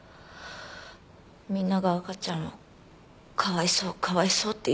みんなが赤ちゃんをかわいそうかわいそうって言うのが。